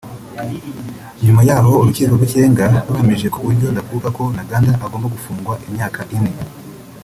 nyuma y’aho Urukiko rw’Ikirenga ruhamije ku buryo ndakuka ko Ntaganda agomba gufungwa imyaka ine